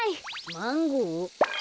マンゴー？